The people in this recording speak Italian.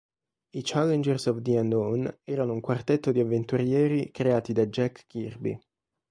I Challengers of the Unknown erano un quartetto di avventurieri creati da Jack Kirby.